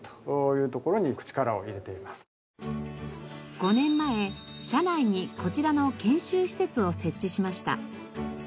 ５年前社内にこちらの研修施設を設置しました。